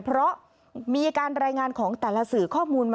เพราะมีการรายงานของแต่ละสื่อข้อมูลมา